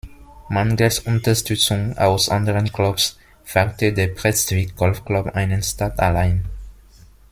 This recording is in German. Mangels Unterstützung aus anderen Clubs wagte der Prestwick Golf Club einen Start allein.